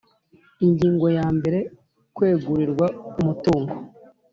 Ingingo ya mbere Kwegurirwa Umutungo